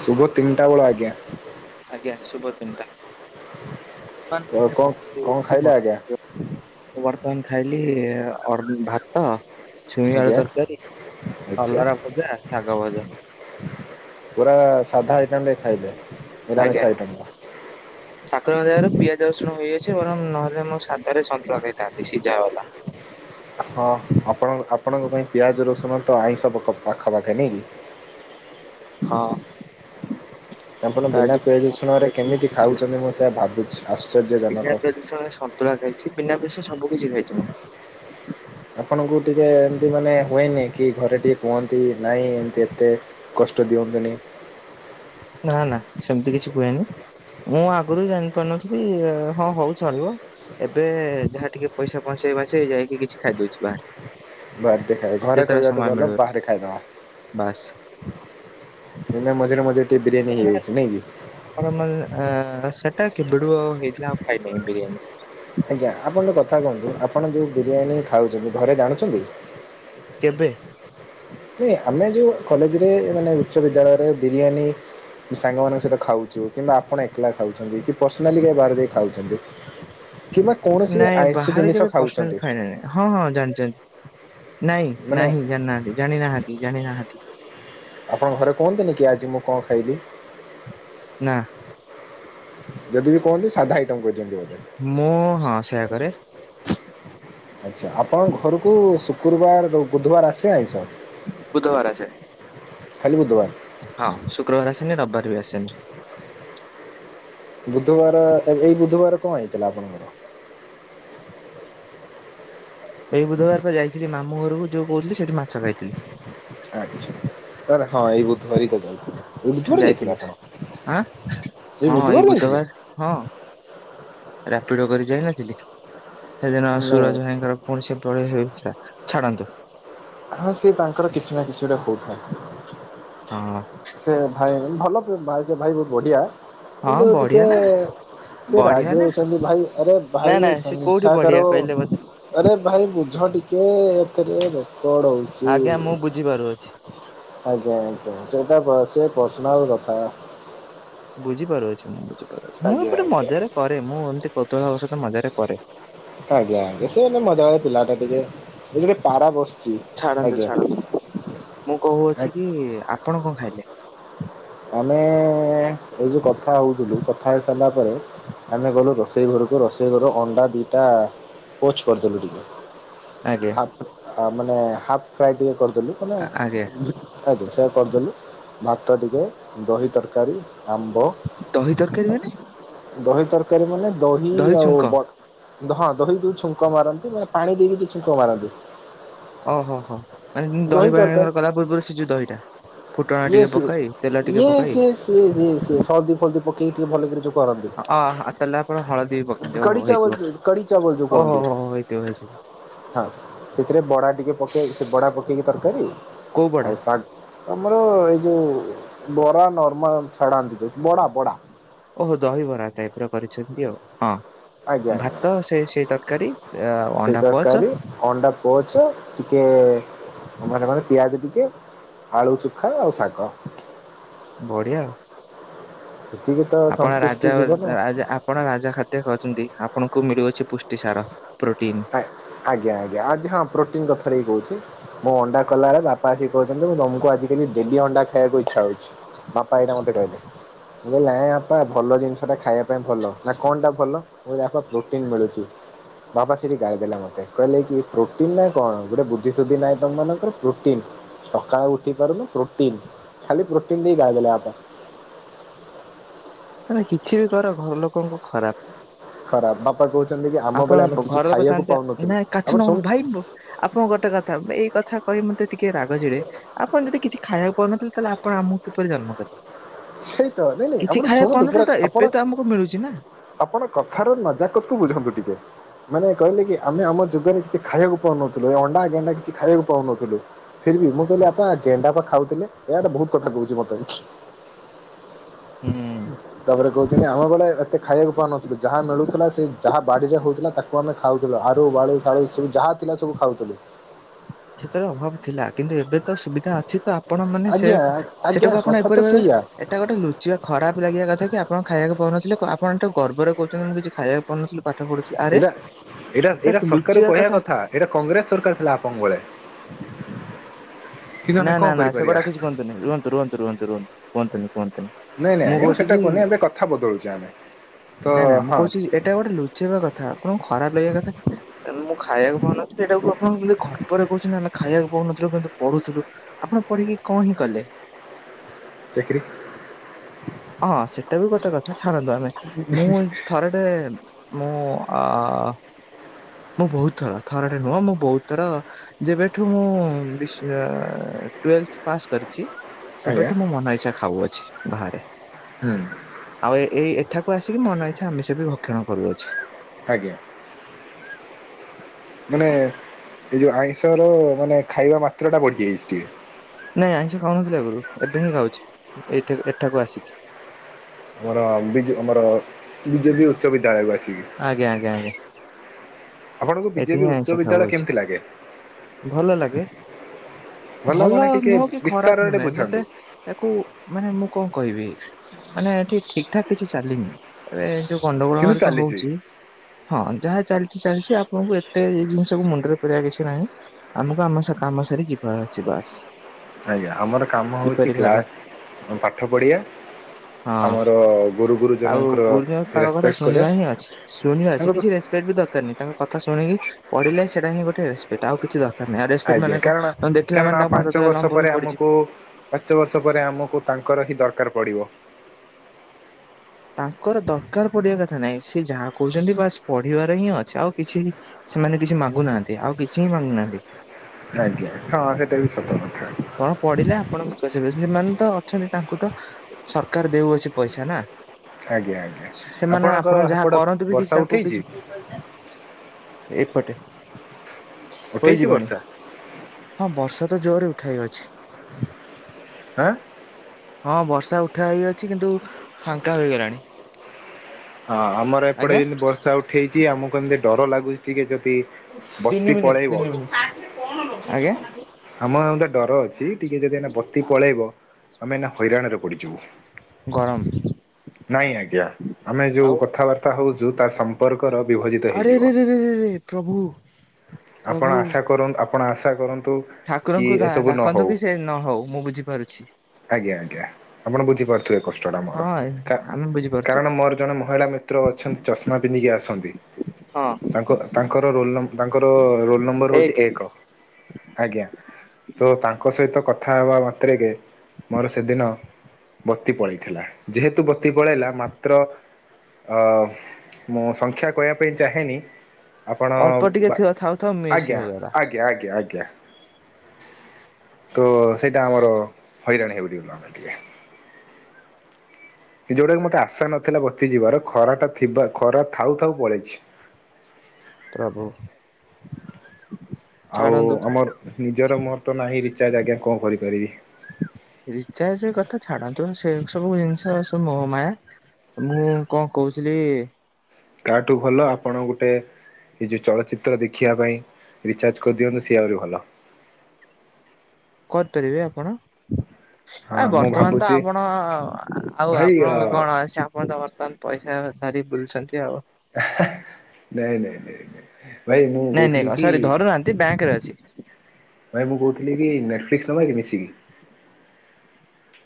ଶୁଭ ତିନିଟା ବେଳ ଆଜ୍ଞା। ଆଜ୍ଞା ଶୁଭ ତିନ୍ ଟା ତ କଣ କଣ ଖାଇଲେ ଆଜ୍ଞା କଣ ଖାଇଲି [unintelligible] ଅ ଭାତ ଛୁଇ ଆଳୁ ଆଜ୍ଞା ତରକାରୀ ଆଚ୍ଛା ଅଲରା ଭଜା ଶାଗ ଭଜା ପୁରା ସାଧା ଆଇଟମ୍ ଟେ ଖାଇଲେ ନିରାମିଷ ଆଜ୍ଞା ଆଇଟମ୍ ଠାକୁରଙ୍କ [unintelligible] ମାର ପିଆଜ ରସୁଣ ହେଇଯାଇଛି ବରଂ ନହେଲେ ମୋ ସାଧାରେ ସନ୍ତୁଳା ଖାଇଥାନ୍ତି ସିଝା ବାଲା ହଁ ଆପଣ [unintelligible] ଆପଣଙ୍କ ପାଇଁ ପିଆଜ ରସୁଣ ତ ଆଇଁଷ ପାଖ ପାଖ ନାଇକି ହଁ। ଆପଣ ତ ବିନା ଆଜି ପିଆଜ ରଷୁଣରେ ଖାଇଥିଲି, ମୁଁ କେମିତି ଖୁସି ଅଛି। ଖାଉଛନ୍ତି, ମୁଁ ସେୟା ଭାବୁଛି ଆଶ୍ଚର୍ଯ୍ୟଜନକ ପତଳା ଖାଇଛି ପିନା ପିସା ସବୁ କିଛି ଖାଇଛି ମୁଁ ଆପଣଙ୍କୁ ଟିକେ ଏମତି ମାନେ ହୁଏନି କି ଘରେ ଟିକେ କୁହନ୍ତି ନାଇଁ ଏମତି ଏତେ କଷ୍ଟ ଦିଅନ୍ତୁ ନି ନା ନା ସେମିତି କିଛି କୁହେନି ମୁଁ ଆଗରୁ ଜାଣିପାରୁନଥିଲି ହଁ ହଉ ଚଳିବ ଏବେ ଯାହା ଟିକେ ପଇସା ପହଞ୍ଚି [unintelligible] ମାଛ ଯାଇକି କିଛି ଖାଇଦଉଛି ବାହାରେ ବାହାର ଟିକେ ଖାଇ ଘରେ ଯେତେବେଳେ କହିବାଠୁ ସମୟ ଭଲ ମିଳୁଅଛି ବାହାରେ ଖାଇଦବା ବାସ୍ ଏନା ମଝିରେ ମଝିରେ ଟିକେ ଆ ଆ ବିରିୟାନୀ [unintelligible] ହେଇଯାଉଛି ନାଇଁ କି [unintelligible] ଚଟା କି ବିଡ଼ୁ ହେଇଥିଲେ [unintelligible] ଖାଇ ବିନି ବିରିୟାନୀ ନ୍ତୁ ଆପଣ ଯୋଉ ବିରିୟାନୀ ଖାଉଛନ୍ତି ଘରେ ଜାଣୁଛନ୍ତି କେବେ ନାଇ ଆମେ ଯୋଉ କଲେଜରେ ମାନେ ଉଚ୍ଚବିଦ୍ୟାଳୟରେ ବିରିୟାନୀ ସାଙ୍ଗମାନଙ୍କ ସହିତ ଖାଉଛୁ କିମ୍ବା ଆପଣ ଏକଲା ଖାଉଛନ୍ତି କି ପର୍ସନାଲି ବାରେ ଯ ଖାଉଛନ୍ତି [inaudible] କିମ୍ବା କୌଣସି ବି ନାଇଁ ଆଇଁଷ ବାହାରେ ଜିନିଷ କେବେ ପର୍ସନାଲ ଖାଉଛନ୍ତି ଖାଇନା ନାହିଁ ହଁ ହଁ ଜାଣିଛନ୍ତି। ନାଇଁ ମାନେ ନାହିଁ ଜାଣିନାହାନ୍ତି ଜାଣିନାହାନ୍ତି ଜାଣିନାହାନ୍ତି। ଆପଣଙ୍କ ଘରେ କୁହନ୍ତିନି କି ଆଜି ମୁଁ କଣ ଖାଇବି? [inaudible] ଯଦି ବି କୁହନ୍ତି ସାଧା ଆଇଟମ୍ କ କହିଦିଅନ୍ତି। ମୁଁ ହଁ ସେୟାକରେ। ଆଚ୍ଛା ଆପଣଙ୍କ ଘରକୁ ଶୁକ୍ରବାର ବୁଧବାର ଆସେ ଆଇଁଷ? ବୁଧବାର ଆସେ। ଖାଲି ବୁଧବାର। ହଁ ଶୁକ୍ରବାର ଆସେନି ରବିବାର ବି ଆସେନି। ବୁଧବାର ଏଇ ବୁଧବାର କଣ ହେଇଥିଲା ଆପଣଙ୍କର? ଏଇ ବୁଧବାର ଯାଇଥିଲି ମାମୁଁ ଘରକୁ ଯୋଉ କହୁଥିଲି ସେଇଠି ମାଛ ଖାଇଥିଲି। ଆ କିଛି ହଁ ଏଇ ବୁଧବାର ତ ଯାଇଥିଲେ ଏଇ ବୁଧବାର ଯାଇଥିଲେ ଯାଇଥିଲି ଆପଣ? ଆଁ ଏ ହଁ ବୁଧବାର ଯାଇଥିଲେ? ରାପିଡ କରି ଯାଇନଥିଲି ସେଦିନ ମାନେ ସୁରଜ ଭାଇଙ୍କର ପୁଣି ସେ ପଳେଇ ହେଇଥିଲା। ଛାଡ଼ନ୍ତୁ। ହଁ ସିଏ ତାଙ୍କର କିଛି ନା କିଛି ଗୋଟା ହଉଥାଏ ହଁ ସେ ଭାଇ ଭଲ ଭ ଭାଇ ବହୁତ ବଢ଼ିଆ ହଁ କିନ୍ତୁ ବଢିଆ ଟିକଏ ନା ଫ ବଢିଆ ଆଗେ ନା ପଛନ୍ତି ଭାଇ ଆରେ ନାଇଁ ଭାଇ ନାଇଁ ସେ କୋଉଠି ସମୀକ୍ଷା ବଢିଆ କରୋ କହିଲେ ମତେ ଆରେ ଭାଇ ଝ ଟିକେ ଏଥିରେ ରେକଡ ହଉଚ ଆଜ୍ଞା ମୁଁ ବୁଝିପାରୁଅଛି। ଆଜ୍ଞା ଆଜ୍ଞା ସେଇଟା ସେ ପର୍ସନାଲ୍ କଥା। ବୁଝିପାରୁଛି ମୁଁ ବୁଝିପାରୁଛି ମୁଁ ଆଜ୍ଞା ଏପଟେ ଆଜ୍ଞା ମଜାରେ କରେ ମୁଁ ଏମିତି କୌତୁଳ ହେବ ସହିତ ମଜାରେ କରେ। ଆଜ୍ଞା ଆଜ୍ଞା ସେ ମଜାଲିଆ ପିଲା ଟା ଟିକେ ଏ ଗ ପାରା ବସଛି ଛାଡନ୍ତୁ ଆଜ୍ଞା। ଛାଡନ୍ତୁ ମୁଁ ଆଜ୍ଞା। କହୁଅଛି କି ଆପଣ କଣ ଖାଇଲେ? ଆମେ ଏ ଏ ଯେଉଁ କଥା ହେଉଥିଲୁ ଖାଇ ସାରିଲା ପରେ ଆମେ ଗଲୁ ରୋଷେଇ ଘରକୁ ରୋଷେଇ ଘରୁ ଅଣ୍ଡା ଦଇଟା ପୋଚ କରିଦେଲୁ ଟିକେ। ଆଜ୍ଞା ହାପ୍ ମାନେ ହାପ୍ ଫ୍ରାଏ ଟିକେ କରିଦେଲୁ ମନେ ଆଜ୍ଞା ଆଜ୍ଞା ସେ କରିଦେଲୁ ଭାତ ଟିକେ ଦହି ତରକାରୀ ଆମ୍ବ ଦହି ତରକାରୀ ମାନେ ଦହି ତରକାରୀ ମାନେ ଦହି ଆଉ ବ ଦହି ଛୁଙ୍କ ମାରନ୍ତି ମାନେ ପାଣି ଦେଇକି ଯ ଛୁଙ୍କ ମାରନ୍ତି। ଓହୋ ହୋ ମାନେ ଦହି ପା କଲା ପୂର୍ବରୁ ସେ ଯୋଉ ଦହିଟା। ଫୁଟଣ ୟଏ ଟିକେ ସ ଇ ପକାଇ ତେଲ ଟିକେ ପକାଇ ସିଏ ସ ସଳଦୀପ ହଳଦୀପ ପକେଇକି ଟିକେ ଭଲ କରକ଼ୀ ଅ ତାହେଲେ ଆପଣ ହଳଦୀ ବି ପକାନ୍ତି ଓହୋ ଚାଲ ହେଇଥିବ କଢୀ ଚାବଲ ଯ ଓହୋ କୁହନ୍ତି। ହୋ ହେଇଥିବ ହେଇଥିବ। ହଁ ସେଥିରେ ବଡା ଟିକେ ପକେଇ ସେ ବଡା ପକେଇକି ତରକାରୀ କୋଉ ବଡା ଆଉ ଶାଗ ଆମର ଏଇ ଯୋଉ ବରା ନର୍ମାଲ ଛାଡ଼ାନ୍ତି ଯୋଉ ବଡା ବଡା। ଓହୋ ଦହିବରା ଟାଇପ ର କରିଛନ୍ତି ଆଉ ଆଜ୍ଞା ହଁ। ଆଜ୍ଞା। ଭାତ ସେଇ ସେଇ ତରକାରୀ ଆ ସେଇ ଅଣ୍ଡା ପଚ୍ ତରକାରୀ ଅଣ୍ଡା ମେ ମାନେ ପିଆଜ ଟିକେ ଆଳୁ ଚୁଖା ଆଉ ଶାଗ। ବଢିଆ ଆଉ। ସେତିକି ତ ଆପଣ ସନ୍ତୁଷ୍ଟି ରାଜା ଜୀବନ ଆପଣ ରାଜା ଖାଦ୍ୟ ଖାଉଛନ୍ତି ଆପଣଙ୍କୁ ମିଳୁଅଛି ପୁଷ୍ଟି ସାର। ପ୍ରୋଟିନ ଆଜ୍ଞା ଆଜ୍ଞା ଆଜି ହଁ ପ୍ରୋଟିନ୍ କଥାରେ ହି କହୁଛି। ମୁଁ ଅଣ୍ଡା କଲା ବେଳେ ବାପା ଆସି କହୁଛନ୍ତି ମୁଁ ତମକୁ ଆଜି କାଲି ଡେଲି ଅଣ୍ଡା ଖାଇବାକୁ ଇଛା ହଉଛି ବାପା ଏଇଟା ଟେ ମୁଁ କହିଲି ନାଇଁ ବାପା ଭଲ ଜିନିଷ ଟା ଖାଇବା ପାଇଁ ଭଲ ନା କଣ ଟା ଭଲ ମୁଁ କିଲି ଆପା ପ୍ରୋଟିନ ମିଳୁଛି। ବାବା [inaudible] ରେ ଗାଲିଦେଲା ମୋତେ କହିଲେ କି ପ୍ରୋଟିନ୍ [inaudible] କଣ ଗୋଟେ ବୁଦ୍ଧିସୁୁଦ୍ଧି ନାହିଁ ତମମାନଙ୍କର ପ୍ରୋଟିନ୍ ସକାଳେ ଉଠି ପାରୁନୁ ପ୍ରୋଟିନ୍, ଖାଲି ପ୍ରୋଟିନ୍ ଦେଇ [unintelligible] ମାନେ କିଛି ବି କର ଘରଲୋକଙ୍କୁ ଖରାପ୍ ଖରାପ୍, ବାପା କହୁଛନ୍ତି କି ଆପ୍ ଆପଣ ଘରର କଥା [unintelligible] ନାଇଁ କାଠ ଆପଣ ନ ଶୁଣୁ ଭାଇ ବୁ ଆପଣ ଗୋଟେ କଥା ଏଇ କଥା କହି ମତେ ଟିକେ ରାଗ ଚିଡେ, ଆପଣ ଯଦି କିଛି ଖାଇବାକୁ ପାଉନଥିଲେ ତାହେଲେ ଆପଣ ଆମକୁ କିପରି ଜନ୍ମ କରିିଚ ସେଇ ତ ନାଇଁ ନାଇଁ ଆପଣ ଶୁଣ୍ ନ୍ତୁ ପୁରା ତ ଏବେ ଆପଣ ତ ଆମକୁ ମିଳୁଛି ନା ଆପଣ କଥାର ନଜାକତକୁୁ ବୁଝନ୍ତୁ ଟିକେ। ମାନେ କହିଲେ କି ଆମେ ଆମ ଯୁଗରେ କିଛି ଖାଇବାକୁ ପାଉନଥିଲୁ ଏ ଅଣ୍ଡାଗଣ୍ଡା କିଛି ଖାଇବାକୁ ପାଉନଥିଲୁ ଫିର୍ ବି ମୁଁ କହିଲି ଆପା ଗେଣ୍ଡା ପା ଖାଉଥିଲେ ଏୟାଟା ବହୁତ କଥା କହୁଛି ମତେ। ହୁଁ। ତାପରେ କହୁଛନ୍ତି ଆମ ବେଳେ ଏତେ ଖାଇବାକୁ ପାଉନଥିଲୁ ଯାହା ମିଳୁଥିଲା ସେ ଯାହା ବାଡିରେ ହଉଥିଲା ତାକୁ ତାକୁ ଆମେ ଖାଉଥିଲୁ। ଆରୁ ବାଳୁ ଶାଳୁ ସବୁ ଯାହା ଥିଲା ସବୁ ଖାଉଥୁଲୁ। ସେତେବେଳେ ଅଭାବ ଥିଲା କିନ୍ତୁ ଏବେ ତ ସୁବିଧା ଅଛି ତ ଆପଣମାନେ ସେ ଆଜ୍ଞା ଆଜ୍ଞା ସେଟାକୁ ଆପଣ କଥା ତ ଏପରି ଭାବେ ସେଇଆ ଏଇଟା ଗୋଟେ ଲୁଚିବା ଖରାପ ଲାଗିବା କଥା କି ଆପଣ ଖାଇବାକୁ ପାଉନଥିଲେ ଆପଣ ଏଇଟାକୁ ଗର୍ବରେ କହୁଛନ୍ତି ମୁଁ କିଛି ଖାଇବାକୁ ପାଉନଥିଲି ପାଠ୍ ଏଇଟା ଏଇଟା ଏଇଟା ସରକାରକୁ କହିବା କଥା ଏଇଟା କଂଗ୍ରେସ ସରକାର ଥିଲା ଆପ [inaudible] ବେଳେ। କିନ୍ତୁ ଆମେ କଣ ନା-ନା-ନା କରିପାରିବା। ସେଗୁଡା କିଛି କୁହନ୍ତୁନି, ରୁହନ୍ତୁ ରୁହନ୍ତୁ ରୁହନ୍ତୁ ରୁହନ୍ତୁ କୁହନ୍ତୁନି। କୁହନ୍ତୁନି ନାଇଁ ନାଇଁ ଆଜ୍ଞା ମୁଁ ସେଟା କହୁନି ଏବେ କଥା ବଦଳେଉଛେ ଆମେ। ତ ନାଇଁ ନା, ମୁଁ ହଁ କହୁଛି ଏଇଟା ଗୋଟେ ଲୁଚେଇବା କଥା ଆପଣ ଖରାପ [inaudible] କଥା, ମୁଁ ଖାଇବାକୁ ପାଉ ନଥିଲି ଏଇଟାକୁ ଆପଣ କେମିତି ଗର୍ବରେ କହୁଛନ୍ତି ଆମେ ଖାଇବାକୁ ପାଉନଥିଲୁ କିନ୍ତୁ ପଢୁଥିଲୁ। ଆପଣ ପଢିକି କଣ ହିଁ କଲେ? ଚାକିରି। ହଁ ସେଟା ବି ଗୋଟେ କଥା ଛାଡନ୍ତୁ ଆମେ ମୁଁ ଥର ଟେ ମୁଁ ଆ-ଆ-ଆ ମୁଁ ବହୁତ ଥର ଥରଟେ ନୁହଁ ମୁଁ ବହୁତ ଥର ଯେବେଠୁ ମୁଁଉ-ଉ-ଉ [inaudible] ଟ୍ୟୁଲେଭ୍ ଟ୍ୟୁଲେଥ୍ ପାସ୍ କରିଚି ଆଜ୍ଞା ସେବେଠୁ ମୁଁ ମନ ଇଚ୍ଛା ଖାଉଅଛି ବାହାରେ। ହୁଁ ଆଉ ଏଇ ଏଠାକୁ ଆସିକି ମନ ଇଛା ଆମିଷ ବି ଭକ୍ଷଣ କରୁଅଛି। ଆଜ୍ଞା। ମାନେ ଏଇ ଯୋଉ ଆଇଁଷର ମାନେ ଖାଇବା ମାତ୍ରାଟା ବଢି ଯାଇଛି ଟିକେ। ନାଇଁ ଆଇଁଷ ଖାଉନଥିଲି ଆଗରୁ ଏବେ ହିଁ ଖାଉଛି ଏଠ ଏଠାକୁ ଆସିକି। ମୋର ବିଜୁ ମୋ ବି ଜେ ବିି ଉଚ୍ଚ ବିଦ୍ୟାଳୟକୁ ଆସି ଆଜ୍ଞା-ଆଜ୍ଞା-ଆଜ୍ଞା। ଆପଣଙ୍କୁ ଏଠି ବିଜେପି ହିଁ ଉଚ୍ଚ ଆଇଁଷ ଖାଉ ବିଦ୍ୟାଳୟ ଅଛି କେମିତି ଲାଗେ ଭଲ ଲାଗେ। [inaudible] ଭଲ ମାନେ ଟିକେ ନୁହଁ କି ଖରାପ ବିସ୍ତାରରେ ନୁହେଁ ମତେ ବୁଝାନ୍ତୁ ଏହାକୁ ମାନେ ମୁଁ କଣ କହିବି ମାନେ ଏଠି ଠିକଠାକ୍ କିଛି ଚାଲିନି ଏବେ ଯୋଉ ଗଣ୍ଡଗୋଳ କିନ୍ତୁ ହେରିକା ହଉ ଚାଲିଛି ଛି ହଁ ଯାହା ଚାଲିଛି ଚାଲିଛି ଆ [inaudible] ଏତେ ଜିନିଷକୁ ମୁଣ୍ଡରେ ପୁରେଇବା କିଛି ନାହିଁ ଆମକୁ ଆମ କାମ ସାରି ଯିବାର ଅଛି ବାସ୍। ଆଜ୍ଞା ଆମର କାମ ହଉଛି କିପରି ଭାବେ କ୍ଲାସ ପାଠ ପଢ଼ିବା ହଁ ଆମର ଗୁରୁ ଆଉ ଗୁରୁଜନଙ୍କର ଗୁରୁଜନ ତାଙ୍କ କଥା ରେସପେକ୍ଟ କରିବା ଶୁଣିବା ହିଁ ଅଛି ଶୁଣିବା ତାଙ୍କର ଅଛି ତ କିଛି ରେସପେକ୍ଟ୍ ବି ଦରକାର ନାହିଁ ତାଙ୍କ କଥା ଶୁଣିକି ପଢିଲେ ସେଟା ହିଁ ଗୋଟେ ରେସପେକ୍ଟ ଆଉ କିଛି ଦର ଆଜ୍ଞା କାରଣ କାରଣ ପାଦ ପାଞ୍ଚ ତଳେ ବର୍ଷ ଲମ୍ବ ହେଇ ପରେ ପଡିଯିବେ। ଆମକୁ ପାଞ୍ଚ ବର୍ଷ ପରେ ଆମକୁ ତାଙ୍କର ହିଁ ଦରକାର ପଡିବ। ତାଙ୍କର ଦରକାର ପଡିବା କଥା ନାଇଁ ସେ ଯାହା କହୁଛନ୍ତି ବାସ୍ ପଢିବାର ହିଁ ଅଛି ଆଉ କିଛି ସେମାନେ କିଛି ମାଗୁନାହାନ୍ତି ଆଉ କିଛି ହିଁ ମାଗୁନାହାନ୍ତି। ଆଜ୍ଞା, ହଁ ସେଇଟା ବି ସତ କଥା। ଆପଣ ପଢ଼ିଲେ ଆପଣଙ୍କ ସେମାନେ ତ ଅଛନ୍ତି ତାଙ୍କୁ ତ ସରକାର ଦେଉଅଛି ପଇସା ନା ଆଜ୍ଞା ଆଜ୍ଞା ସେମାନେ ଆପଣଙ୍କର ଆପଣ ଯାହା ହେପଟ କରନ୍ତୁ ବି ବର୍ଷା କିଛି ତାଙ୍କୁ ଉଠେଇଛି କିଛି ଏପଟେ। ହୋଇ ଉଠେଇଛି ଯିବଣୀ ବର୍ଷା ହଁ ବର୍ଷା ତ ଜୋରରେ ଉଠାଇ ଅଛି। ଆଁ। ହଁ ବର୍ଷା ଉଠା ହେଇ ଅଛି କିନ୍ତୁ ଫାଙ୍କା ହୋଇ ଗଲାଣି। ହଁ ଆମର ଏପଟେ ଇମିତି ବର୍ଷା ଉଠେଇଚି ଆମକୁ ଏମିତି ଡର ଲାଗୁଛି ଟିକେ ଯଦି। ତିନି ବତି ମିନିଟ ପଳେଇବ ତିନି ମିନିଟ ଆଜ୍ଞା ଆମ। ଡର ଅଛି ଟିକେ ଯଦି ଏଇନା ବତି ପଳେଇବ ଆମେ ଏଇନା ହଇରାଣ ରେ ପଡିଯିବୁ। ଗରମ ନାଇଁ ଆଜ୍ଞା। ଆମେ ଯୋଉ ଆଉ କଥାବାର୍ତ୍ତା ହଉଛୁ ତାର ସମ୍ପର୍କର ବିଭଜିତ ଆରେ ହେଇଯିବ। ରେ ରେ ରେ ରେ ପ୍ରଭୁ ଆପଣ ପ୍ରଭୁ ଆଶା କରନ୍ତୁ ଆପଣ ଆଶା କରନ୍ତୁ। କି ଠାକୁରଙ୍କୁ ଡା ଏସବୁ ଡାକନ୍ତୁ ନହଉ କି ସେ ନ ହଉ ମୁଁ ବୁଝିପାରୁଛି ଆଜ୍ଞା ଆ ଜ୍ଞା ଆପଣ ବୁଝି ପାରୁଥିବେ କ ହଁ ଆମେ ବି। କାରଣ ମୋର ଜଣେ ମହିଳା ମିତ୍ର ଅଛନ୍ତି ଚଷମା ପିନ୍ଧିକି ଆସନ୍ତି। ହଁ ତାଙ୍କ ତାଙ୍କର ରୋଲନ ଙ୍କର ରୋଲ ନମ୍ବର ହେଉଛି ଏକ ଆଜ୍ଞା। ତ ତାଙ୍କ ସହିତ କଥା ହେବା ମାତ୍ରେକେ ମୋର ସେଦିନ। ବତି ପଳେଇ ଥିଲା ଯେହେତୁ ବତି ପଳେଇଲା ମାତ୍ର। ଅ ମୁଁ ସଂଖ୍ୟା କହିବା ପାଇଁ ଚାହେଁନି ଆପଣ। ଅଳ୍ପ ଟିକେ ଥିବ ଥାଉ ଥାଉ ମିସ୍ ଆଜ୍ଞା ହେଇଗଲା ଆଜ୍ଞା ଆଜ୍ଞା ଆଜ୍ଞା। [inaudible] ତ ସେଇଟା ଆମର ହଇରାଣ ହେଇଗଲୁ ଦିଏ ଆମେ ଟିକେ। କି ଯୋଉଟାକ ମତେ ଆଶା ନଥିଲା ବତି ଯିବାର ଖରା ଟା ଥିବା ଖରା ଥାଉ ଥାଉ ପଳେଇଛି। ତ୍ର ବୋ। ଆଉ ଆମର ନିଜର ମୋହର ତ ନାହିଁ ରି ଚାର୍ଜ ଆଜ୍ଞା କଣ କରି ପାରିବି। ରିଚାର୍ଜ କଥା ଛାଡନ୍ତୁ ସେ ସବୁ ଜିନିଷ ସବୁ ମୋହ ମାୟା ମୁଁ କଣ କହୁଥିଲି। ତାହାଠୁ ଭଲ ଆପଣ ଗୋଟେ। ଏ ଯୋଉ ଚଳଚିତ୍ର ଦେଖିବା ପାଇଁ ରିଚାର୍ଜ କରିଦିଅନ୍ତୁ ସେ ଆହୁରି ଭଲ। କରିପାରିବେ ଆପଣ। ହଁ ଆ ମୁଁ ବର୍ତ୍ତମାନ ତ ଭାବୁଛି ଆପଣ ଆଉ ଭାଇ ଆପଣ ଅ ଙ୍କ କଣ ଅଛି ଆପଣ ତ ବର୍ତ୍ତମାନ ପଇସା ଧାରି ବୁଲଛନ୍ତି ଆଉ। ଏ ହେ ନାଇଁ ନାଇଁ ନାଇଁ ନାଇଁ ଭାଇ ମୁଁ ନାଇଁ ନାଇଁ କହୁଥିଲି କି। ସରି ଧରୁନାହାନ୍ତି ବ୍ୟାଙ୍କରେ ଅଛି ଭାଇ ମୁଁ କହୁଥିଲି କି ନେଟଫ୍ଲିକ୍ସ ନବା କି ମିଶିକି।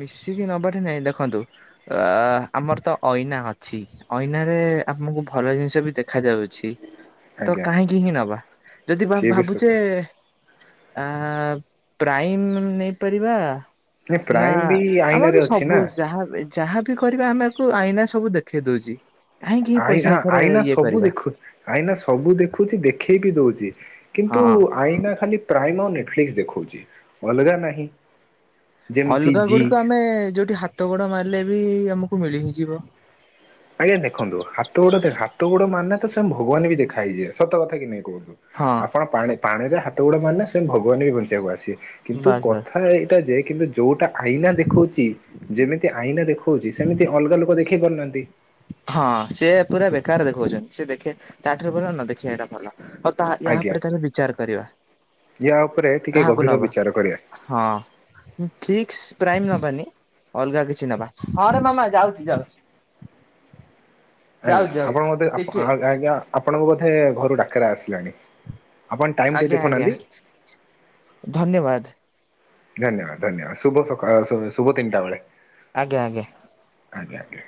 ମିଶିକି ନବାଠି‍ ନାଇଁ ଦେଖନ୍ତୁ ଆ ଆମର ତ ଅଇନା ଅଛି ଅଇନା ରେ। ଆମକୁ ଭଲ ଜିନିଷ ବି ଦେଖା ଯାଉଛି। ତ ଆଜ୍ଞା କାହିଁକି ହିଁ ନବା ଯଦି ଭ ସିଏ ବି ସତ ଭାବୁଛେ ଆ। ପ୍ରାଇମମ ନେଇପାରିବା। ନାଇଁ ନା ପ୍ରାଇମ ବି ଆମର ଆଇନାରେ ବି ଅଛି ସବୁ ନା ଯାହା ଯାହାବି କରିବା ଆମକୁ ଆଇନା ସବୁ ଦେଖେଇ ଦଉଛି। କାହିଁକି ଏଇ ପଇସା ଆଇନା ଏଥରେ ଆଇନା ଇଏ ସବୁ କରିବା ଦେଖୁ ଆଇନା ସବୁ ଦେଖୁଛି ଦେଖେଇବି। ଦଉଚି କିନ୍ତୁ ହଁ। ଆଇନା ଖାଲି ପ୍ରାଇମମ ନେଟଫ୍ଲିକ୍ସ ଦେଉଖଚି ଅଲଗା ନାହିଁ। ଯେମିତି ଅଲଗା ଜି ଗୁଡିକ ଆମେ ଯୋଉଠି ହାତ ଗୋଡ ମାରିଲେ ବି ଆମକୁ ମିଳି ହିଁ ଯିବ। ଆଜ୍ଞା ଦେଖନ୍ତୁ ହାତ ଗୋଡ ଦେ ହାତ ଗୋଡ ମାରିଲେ ତ ସ୍ୱୟଂ ଭଗବାନ ବି ଦେଖା ହେଇଯିବେ ସତ କଥା କି ନାଇ। କୁହନ୍ତୁ ହଁ। ଆପଣ ପାଣି ପାଣି ରେ ହାତ ଗୋଡ଼ ମାରିଲେ ସ୍ବୟଂ ଭଗବାନ ବି ବଞ୍ଚେଇିବାକୁ ଆସିବେ। କିନ୍ତୁ ବାସ୍ ବାସ୍ କଥା ଏଇଟା ଯେ କିନ୍ତୁ ଯୋଉଟା। ଆଇନା ଦେଖଉଚି ଯେମିତି ଆଇନା ଦେଖଉଚି ସେମିତି ଅଲଗା ଲୋକ ଦେଖେଇ ପାରୁନାହାନ୍ତି। ହଁ ସିଏ ପୁରା ବେକାର ଦେଖଉଚନ୍ତି ସେ ଦେଖେ ତା ଠାରୁ ଭଲ ନ ଦେଖିବା ଟା ଭଲ। ହଉ ତାହା ୟାହା ଉପରେ କେବେ ବିଚାର କରିବା। ଏହା ଉପରେ ଟିକେ କାହାକୁ ଗଭୀର ନବା ବିଚାର କରି ହଁ ଫିକ୍ସ ପ୍ରାଇମ ନବାନି ଅଲଗା କିଛି କିଛି ନବା। ହଁରେ ମାମା ଯାଉଛି ଯାଉଛି ଆଜ୍ଞା ଯାଉଛି ଯାଉଛି ଆପଣ ବୋଧେ ଟିକେ ଆଜ୍ଞା ଆପଣଙ୍କୁ ବୋଧେ ଘରୁ ଡାକରା ଆସିଲାଣି? ଆପଣ ଟାଇମ ଟିକ ଆଜ୍ଞା ଆଜ୍ଞା ଦେଖୁନାହାନ୍ତି। ଧନ୍ୟବାଦ ଧନ୍ୟବାଦ ଧନ୍ୟବାଦ ଶୁଭକା ଶୁଭ ତିନଟା ବେଳେ ଆଜ୍ଞା ଆଜ୍ଞା। ଆଜ୍ଞା ଆଜ୍ଞା।